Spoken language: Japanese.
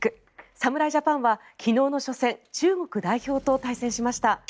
侍ジャパンは昨日の初戦中国代表と対戦しました。